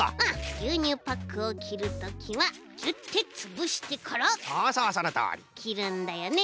ぎゅうにゅうパックをきるときはギュッてつぶしてからきるんだよね。